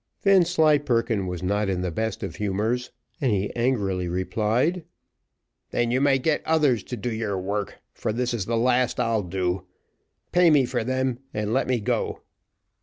Vanslyperken was not in the best of humours, and he angrily replied, "Then you may get others to do your work, for this is the last I'll do; pay me for them, and let me go."